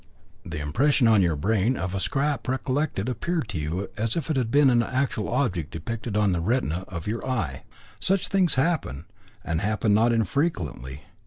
The impression on your brain of a scrap recollected appeared to you as if it had been an actual object depicted on the retina of your eye. Such things happen, and happen not infrequently.